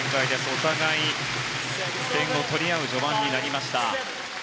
お互い点を取り合う序盤になりました。